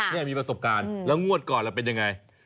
นี่มีประสบการณ์แล้วงวดก่อนล่ะเป็นยังไง